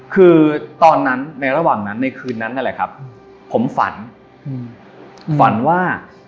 คือตอนนั้นในระหว่างนั้นในคืนนั้นนั่นแหละครับผมฝันฝันว่า